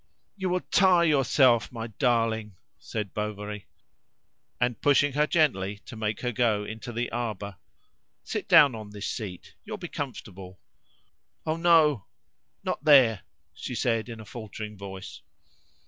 "You will tire yourself, my darling!" said Bovary. And, pushing her gently to make her go into the arbour, "Sit down on this seat; you'll be comfortable." "Oh! no; not there!" she said in a faltering voice.